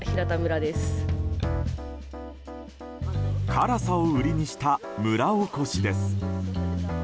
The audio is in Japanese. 辛さを売りにした村おこしです。